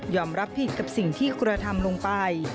รับผิดกับสิ่งที่กระทำลงไป